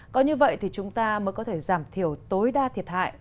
có như vậy thì chúng ta mới có thể giảm thiểu tối đa thiệt hại